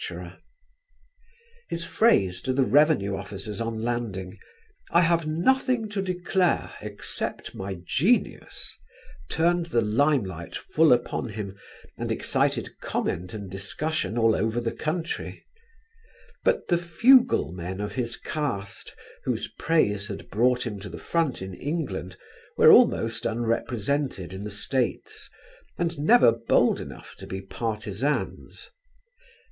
[Illustration: Oscar Wilde as He Appeared at Twenty seven: on His First Visit to America] His phrase to the Revenue officers on landing: "I have nothing to declare except my genius," turned the limelight full upon him and excited comment and discussion all over the country. But the fuglemen of his caste whose praise had brought him to the front in England were almost unrepresented in the States, and never bold enough to be partisans.